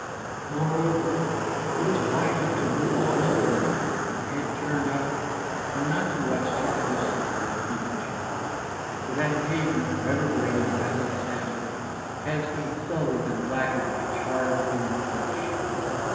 Moreover, it is wiser to move on under that roof with head turned upward and not to watch too closely where the feet may fall, for that pavement, reverberating rather sadly, has been sullied and blackened by charred human flesh.